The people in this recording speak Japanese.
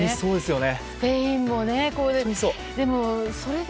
スペインも、これで。